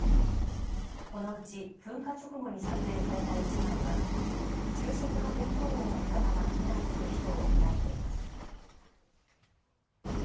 このうち噴火直後に撮影された１枚は昼食の弁当を持ったまま避難する人を捉えています。